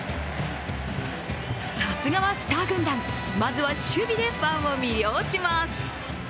さすがはスター軍団、まずは守備でファンを魅了します。